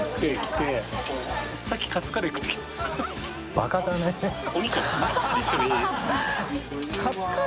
バカだね